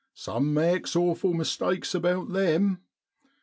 Some makes awful mistakes about them.